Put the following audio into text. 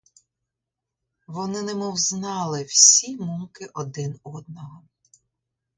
Вони немов знали всі муки один одного.